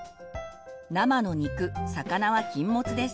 生の肉魚は禁物です。